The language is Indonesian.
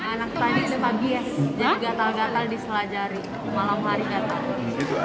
anak tadi sudah pagi ya jadi gatal gatal